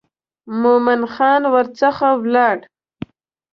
مومن خان ورڅخه ولاړ.